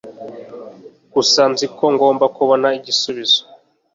gusa nzi ko ngomba kubona igisubizo